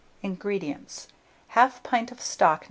INGREDIENTS. 1/2 pint of stock No.